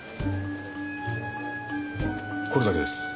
これだけです。